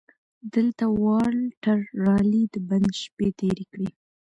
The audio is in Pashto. دلته والټر رالي د بند شپې تېرې کړې.